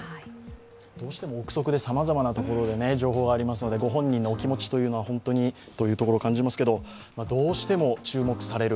どうしても憶測で、さまざまなところで情報がありますのでご本人のお気持ちは本当にというところを感じますけど、どうしても注目される